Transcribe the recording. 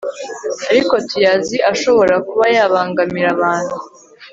ariko tuyazi ashobora kuba yabangamira abantu